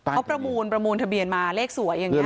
เขาประมูลประมูลทะเบียนมาเลขสวยอย่างนี้